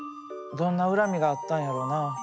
どんな恨みがあったんやろな。